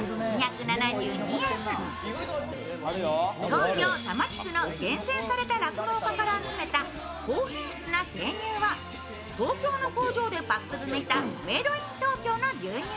東京・多摩地区の厳選された酪農家から集めた高品質な生乳は東京の工場でパック詰めしたメイド・イン・トウキョウの牛乳。